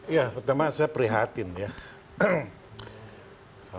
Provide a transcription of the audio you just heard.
ya pertama saya prihatin ya